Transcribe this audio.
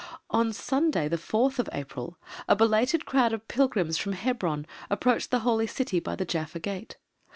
On Sunday, 4th April, a belated crowd of pilgrims from Hebron approached the Holy City by the Jaffa Gate.